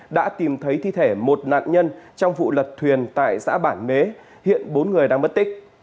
đã tìm thấy thi thể một nạn nhân trong vụ lật thuyền tại giã bản mế hiện bốn người đang mất tích